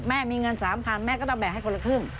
มีเงิน๓๐๐แม่ก็ต้องแบกให้คนละครึ่ง